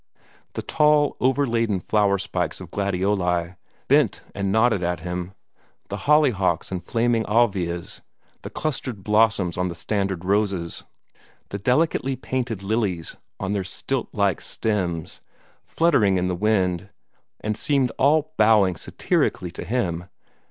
The tall, over laden flower spikes of gladioli bent and nodded at him; the hollyhocks and flaming alvias, the clustered blossoms on the standard roses, the delicately painted lilies on their stilt like stems, fluttered in the wind, and seemed all bowing satirically to him.